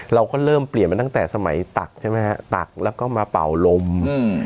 เราก็เริ่มเปลี่ยนมาตั้งแต่สมัยตักใช่ไหมฮะตักแล้วก็มาเป่าลมอืม